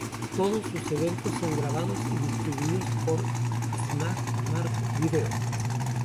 Todos sus eventos son grabados y distribuidos por Smart Mark Video.